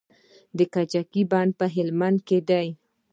د کجکي بند په هلمند کې دی